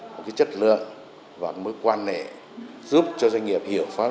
một cái chất lượng và mối quan hệ giúp cho doanh nghiệp hiểu pháp